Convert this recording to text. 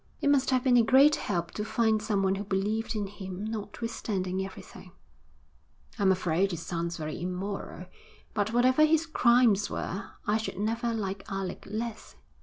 'It must have been a great help to find someone who believed in him notwithstanding everything.' 'I'm afraid it sounds very immoral, but whatever his crimes were, I should never like Alec less.